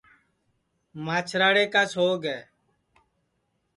ماچھراڑے کا سوگ ہے